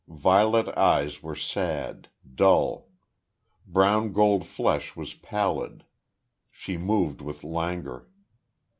Violet eyes were sad dull. Brown gold flesh was pallid. She moved with languor.